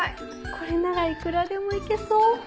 これならいくらでも行けそう。